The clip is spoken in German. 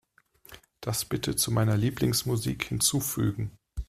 Das bitte zu meiner Lieblingsmusik hinzufügen.